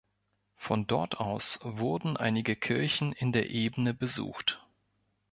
Von dort aus wurden einige Kirchen in der Ebene besucht.